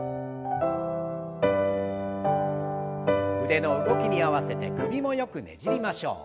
腕の動きに合わせて首もよくねじりましょう。